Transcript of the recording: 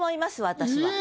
私は。